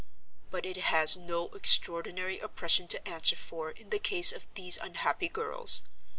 But it has no extraordinary oppression to answer for in the case of these unhappy girls.